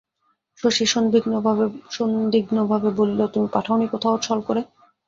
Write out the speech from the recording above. শশী সন্দিগ্ধভাবে বলিল, তুমি পাঠাওনি কোথাও, ছল করে?